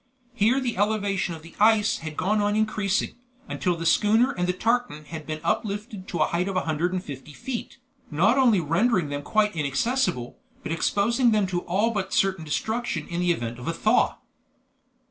Here the elevation of the ice had gone on increasing, until the schooner and the tartan had been uplifted to a height of 150 feet, not only rendering them quite inaccessible, but exposing them to all but certain destruction in the event of a thaw.